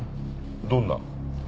どんな。